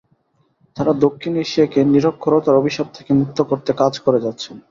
তাঁরা দক্ষিণ এশিয়াকে নিরক্ষরতার অভিশাপ থেকে মুক্ত করতে কাজ করে যাচ্ছেন।